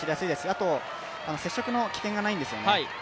あと接触の危険がないんですよね。